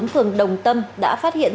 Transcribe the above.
phường đồng tâm đã phát hiện